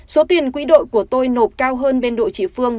số tiền quỹ đội của tôi nộp cao hơn bên đội chị phương